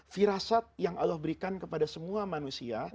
firasat yang allah berikan kepada semua manusia